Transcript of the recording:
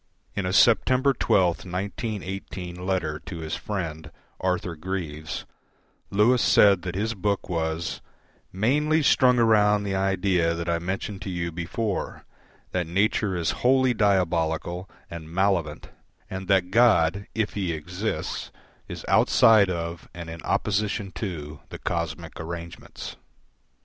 In a September 12, 1918 letter to his friend Arthur Greeves, Lewis said that his book was, "mainly strung around the idea that I mentioned to you before that nature is wholly diabolical & malevolent and that God, if he exists, is outside of and in opposition to the cosmic arrangements."